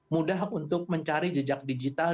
mudah untuk mencari jejak digital